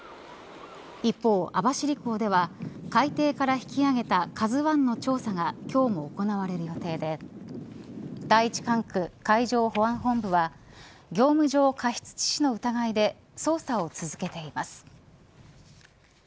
一方、網走港では海底から引き揚げたＫＡＺＵ１の調査が今日も行われる予定で第１管区海上保安本部は業務上過失致死の疑いで捜査を続けています。